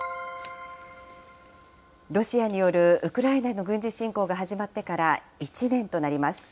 ロシアによるウクライナへの軍事侵攻が始まってから１年となります。